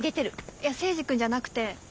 いや征二君じゃなくて。